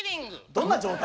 どんな状態？